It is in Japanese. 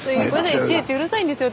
いちいちうるさいんですよ